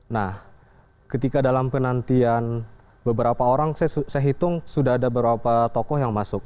nah ketika dalam penantian beberapa orang saya hitung sudah ada beberapa tokoh yang masuk